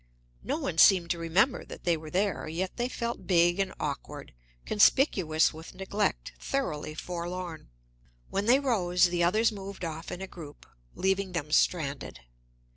No one seemed to remember that they were there, yet they felt big and awkward, conspicuous with neglect, thoroughly forlorn. When they rose, the others moved off in a group, leaving them stranded.